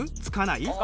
つかない。